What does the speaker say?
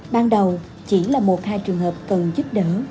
ban đầu chỉ là một hai trường hợp cần giúp đỡ